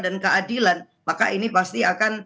dan keadilan maka ini pasti akan